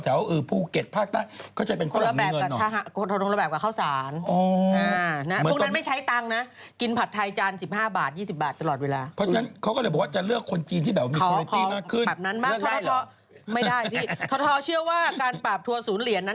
เรื่องได้หรอไม่ได้พี่ทศเชื่อว่าการปรับทัวร์ศูนย์เหรียญนั้น